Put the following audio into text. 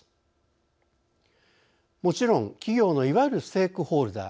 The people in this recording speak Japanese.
もちろん企業のいわゆるステークホルダー